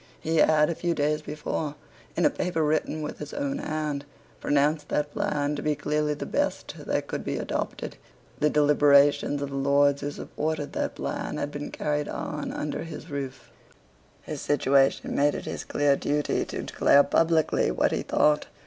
He had, a few days before, in a paper written with his own hand, pronounced that plan to be clearly the best that could be adopted. The deliberations of the Lords who supported that plan had been carried on under his roof. His situation made it his clear duty to declare publicly what he thought.